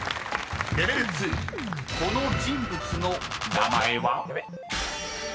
［この人物の名前は？］